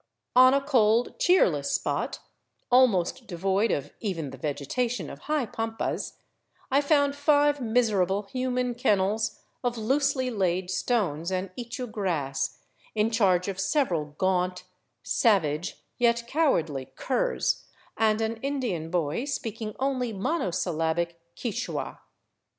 On a cold, cheerless spot, almost devoid of even the vegetation of high pampas, I found five miserable human kennels of loosely laid stones and ichu grass, in charge of several gaunt, savage, yet cowardly curs, and an Indian boy speaking only monosyllabic Quichua.